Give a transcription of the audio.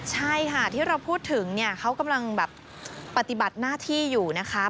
ใช่ค่ะที่เราพูดถึงเนี่ยเขากำลังแบบปฏิบัติหน้าที่อยู่นะคะ